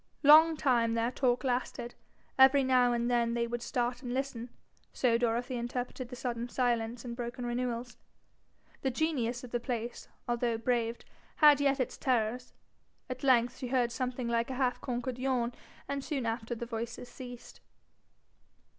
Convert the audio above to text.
Long time their talk lasted. Every now and then they would start and listen so Dorothy interpreted sudden silence and broken renewals. The genius of the place, although braved, had yet his terrors. At length she heard something like a half conquered yawn, and soon after the voices ceased.